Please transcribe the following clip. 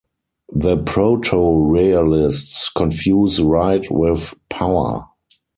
The proto-realists confuse right with power.